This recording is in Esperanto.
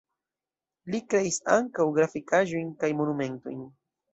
Li kreis ankaŭ grafikaĵojn kaj monumentojn.